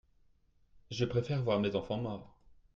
je préfère voir mes enfants morts.